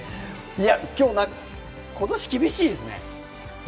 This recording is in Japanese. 今年厳しいですね。